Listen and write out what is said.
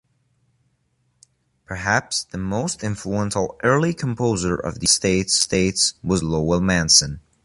Perhaps the most influential early composer of the United States was Lowell Mason.